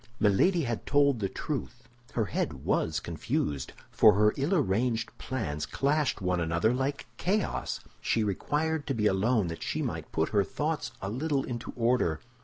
Milady had told the truth—her head was confused, for her ill arranged plans clashed one another like chaos. She required to be alone that she might put her thoughts a little into order.